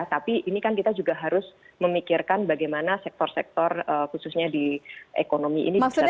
tapi ini kan kita juga harus memikirkan bagaimana sektor sektor khususnya di ekonomi ini bisa tercap